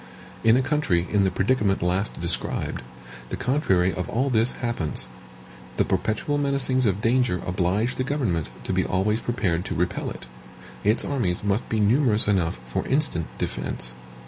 In a country in the predicament last described, the contrary of all this happens. The perpetual menacings of danger oblige the government to be always prepared to repel it; its armies must be numerous enough for instant defense.